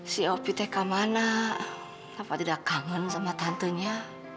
si opi di mana kenapa dia tak kangen sama tantanya